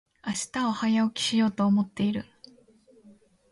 明日は早起きしようと思っている。